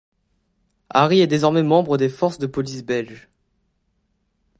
Harry est désormais membre des forces de police belges.